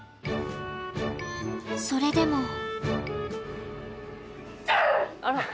それでも。